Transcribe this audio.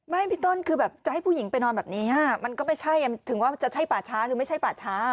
พี่ต้นคือแบบจะให้ผู้หญิงไปนอนแบบนี้มันก็ไม่ใช่ถึงว่าจะใช่ป่าช้าหรือไม่ใช่ป่าช้า